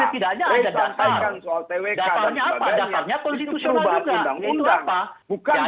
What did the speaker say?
tidak pentingnya keraguan mahasiswa ini bung adrian